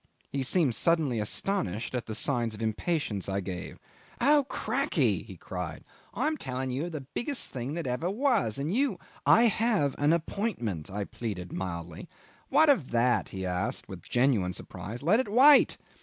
... He seemed suddenly astonished at the signs of impatience I gave. "Oh, crakee!" he cried; "I am telling you of the biggest thing that ever was, and you ..." "I have an appointment," I pleaded mildly. "What of that?" he asked with genuine surprise; "let it wait."